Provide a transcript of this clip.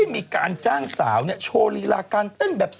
พี่โดนคนแย่